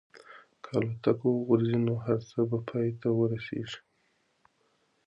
که الوتکه وغورځي نو هر څه به پای ته ورسېږي.